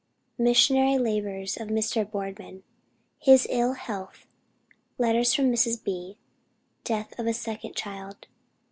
MISSIONARY LABORS OF MR. BOARDMAN HIS ILL HEALTH. LETTER FROM MRS. B. DEATH OF A SECOND CHILD.